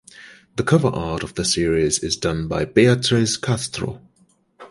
The cover art of the series is done by Beatriz Castro.